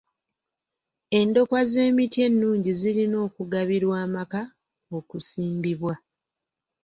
Endokwa z'emiti ennungi zirina okugabirwa amaka okusimbibwa.